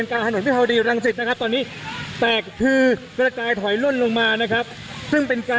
ทางกลุ่มมวลชนทะลุฟ้าทางกลุ่มมวลชนทะลุฟ้า